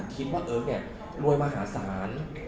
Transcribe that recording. คิดว่าเอิร์กเนี่ยรวยมหาศาล